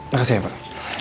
makasih ya pak